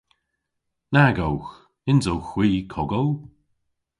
Nag owgh. Nyns owgh hwi kogow.